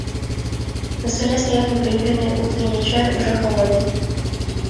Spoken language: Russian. На столе стоял неприбранный утренний чай, уже холодный.